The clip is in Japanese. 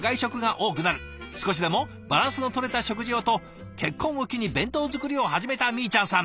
少しでもバランスのとれた食事をと結婚を機に弁当作りを始めたみーちゃんさん。